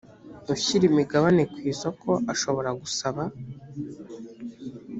ushyira imigabane ku isoko ashobora gusaba